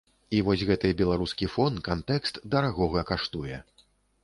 І вось гэты беларускі фон, кантэкст, дарагога каштуе.